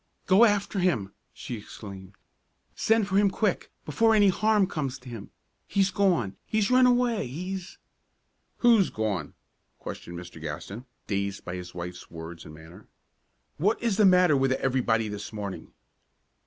"Go after him!" she exclaimed. "Send for him quick, before any harm comes to him! He's gone he's run away, he's " "Who's gone?" questioned Mr. Gaston, dazed by his wife's words and manner. "What is the matter with everybody this morning?"